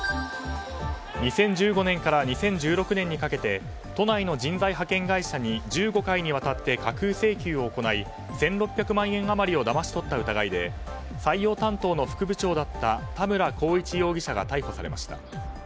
２０１５年から２０１６年にかけて都内の人材派遣会社に１５回にわたって架空請求を行い１６００万円余りをだましとった疑いで採用担当の副部長だった田村浩一容疑者が逮捕されました。